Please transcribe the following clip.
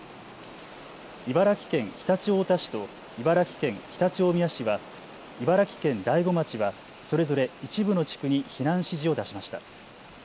茨城県常陸太田市と茨城県常陸大宮市は茨城県大子町はそれぞれ一部の地区に避難指示を出しました。